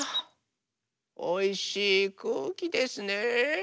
おいしいくうきですね。